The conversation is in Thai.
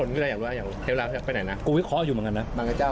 กูวิเคราะห์อยู่เหมือนกันนะ